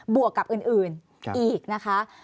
วกกับอื่นอีกนะคะ